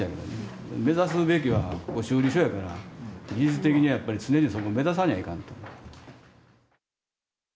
目指すべきはここ修理所やから技術的にはやっぱり常にそこを目指さにゃいかんと。